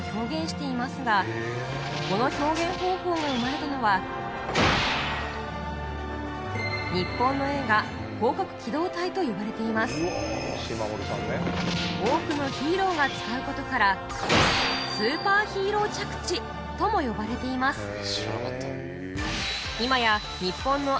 この表現方法が生まれたのは日本の映画といわれています多くのヒーローが使うことからとも呼ばれています